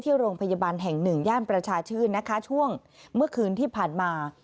โรงพยาบาลแห่งหนึ่งย่านประชาชื่นนะคะช่วงเมื่อคืนที่ผ่านมา